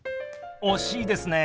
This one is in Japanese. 惜しいですね。